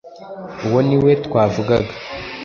uwo ni we twavugaga